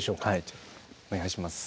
はいお願いします。